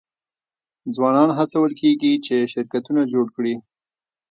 ځوانان هڅول کیږي چې شرکتونه جوړ کړي.